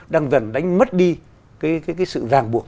đang dần đánh mất đi cái sự ràng buộc